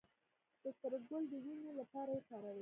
د تره ګل د وینې لپاره وکاروئ